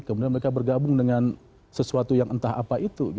kemudian mereka bergabung dengan sesuatu yang entah apa itu